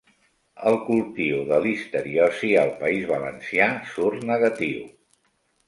El cultiu de listeriosi al País Valencià surt negatiu